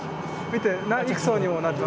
見て。